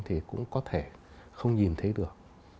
thì cũng có thể không nhìn thấy được